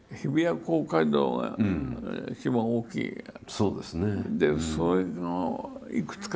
そうですね。